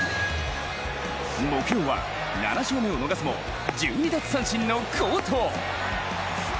木曜は、７勝目を逃すも１２奪三振の好投。